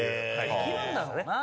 できるんだろうな。